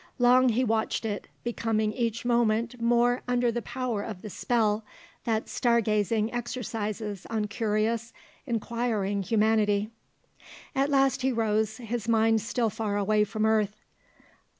Long he watched it, becoming each moment more under the power of the spell that star gazing exercises on curious, inquiring humanity. At last he rose, his mind still far away from earth.